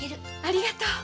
ありがとう。